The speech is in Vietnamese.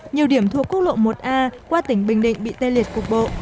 nhiều điểm thuộc quốc lộ một a qua tỉnh bình định bị tê liệt cục bộ